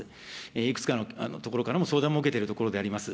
いくつかのところからも相談も受けてるところであります。